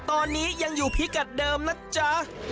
ตอนนี้ยังอยู่พิกัดเดิมนะจ๊ะ